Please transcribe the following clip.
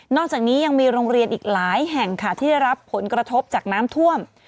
อกจากนี้ยังมีโรงเรียนอีกหลายแห่งค่ะที่ได้รับผลกระทบจากน้ำท่วม